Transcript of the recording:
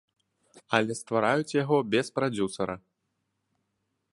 Але ствараюць яго без прадзюсара.